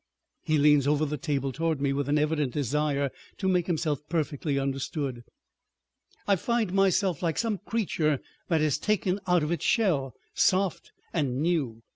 He leans over the table toward me with an evident desire to make himself perfectly understood. "I find myself like some creature that is taken out of its shell—soft and new.